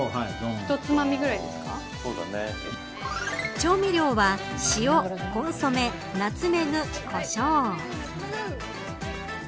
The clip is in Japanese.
調味料は塩、コンソメナツメグ、コショウ。